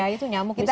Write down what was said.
itu nyamuk bisa